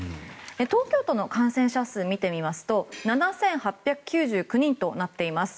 東京都の感染者数を見てみますと７８９９人となっています。